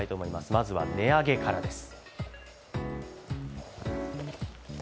まずは値上げからです。